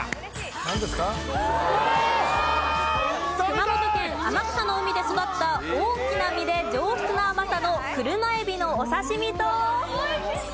熊本県天草の海で育った大きな身で上質な甘さの車海老のお刺身と。